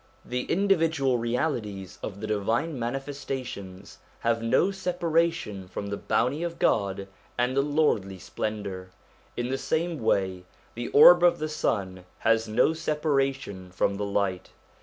The individual realities of the Divine Manifestations have no separa tion from the Bounty of God and the Lordly Splendour. In the same way the orb of the sun has no separation from the light.